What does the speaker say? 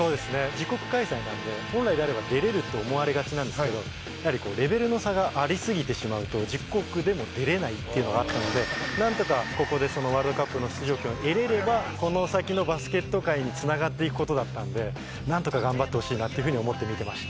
自国開催なので本来であれば出れると思われがちなんですけどやはりレベルの差がありすぎてしまうと自国でも出れないっていうのがあったのでなんとかここでワールドカップの出場権を得られればこの先のバスケット界につながっていく事だったのでなんとか頑張ってほしいなっていう風に思って見てました。